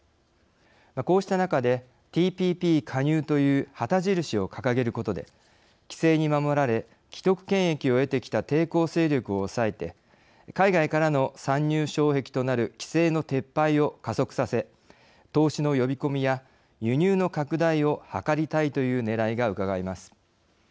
こうした中でＴＰＰ加入という旗印を掲げることで規制に守られ既得権益を得てきた抵抗勢力を抑えて海外からの参入障壁となる規制の撤廃を加速させ投資の呼び込みや輸入の拡大を図りたいというねらいがうかがえます。